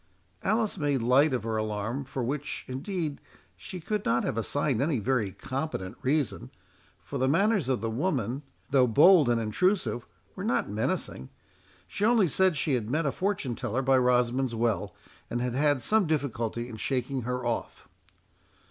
Alice made light of her alarm, for which, indeed, she could not have assigned any very competent reason, for the manners of the woman, though bold and intrusive, were not menacing. She only said she had met a fortune teller by Rosamond's Well, and had had some difficulty in shaking her off.